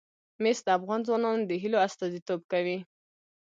مس د افغان ځوانانو د هیلو استازیتوب کوي.